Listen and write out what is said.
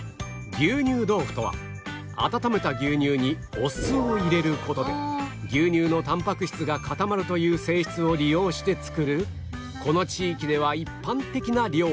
牛乳豆腐とは温めた牛乳にお酢を入れる事で牛乳のタンパク質が固まるという性質を利用して作るこの地域では一般的な料理